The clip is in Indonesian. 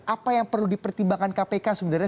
apa yang perlu dipertimbangkan kpk sebenarnya